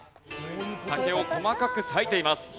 竹を細かく割いています。